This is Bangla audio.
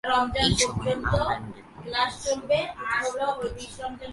এই সময়ে আয়ারল্যান্ডের অনেকগুলো শহর প্রতিষ্ঠিত হয়েছিল।